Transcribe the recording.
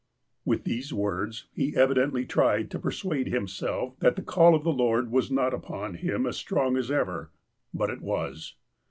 With these words, he evidently tried to persuade him self that the call of the Lord was not upon him as strong as ever. But it was.